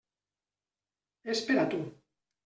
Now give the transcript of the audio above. És per a tu.